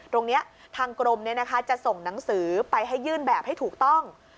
ตรงนี้ทางกรมจะส่งหนังสือไปให้ยื่นแบบให้ถูกต้อง